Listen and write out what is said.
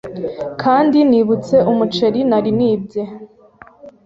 Kandi nibutse umuceri nari nibye